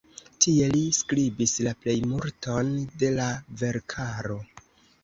Tie li skribis la plejmulton de la verkaro.